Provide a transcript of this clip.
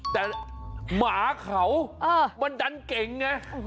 แต่หมาเขามันดันเก่งไง